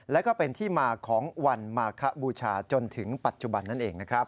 และก็เป็นที่มาของวันมาคบูชาจนถึงปัจจุบันนั่นเองนะครับ